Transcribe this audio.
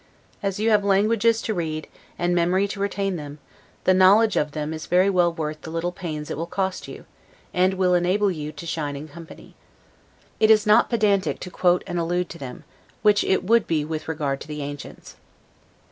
As you have languages to read, and memory to retain them, the knowledge of them is very well worth the little pains it will cost you, and will enable you to shine in company. It is not pedantic to quote and allude to them, which it would be with regard to the ancients.